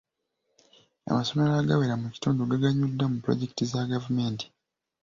Amasomero agawera mu kitundu gaganyuddwa mu pulojekiti za gavumenti.